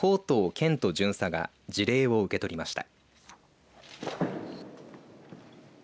健人巡査が辞令を受け取りました。